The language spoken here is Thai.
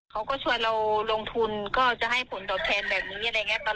เขาก็ชวนเราลงทุนก็จะให้ผลต่อแทนแบบนี้อะไรเนี้ยตอน